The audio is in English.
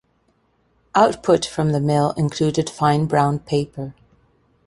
Output from the mill included fine brown paper.